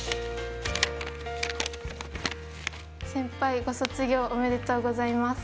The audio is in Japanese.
先輩、ご卒業おめでとうございます。